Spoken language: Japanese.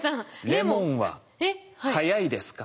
レモンは速いですか？